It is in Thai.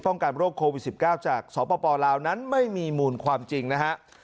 ป้องกันโรคโควิด๑๙จากสมปปลาลาวนั้นไม่มีหมู่นความจริงนะฮะ